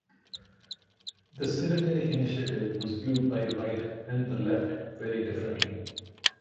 The Tsereteli initiative was viewed by the right and the left very differently.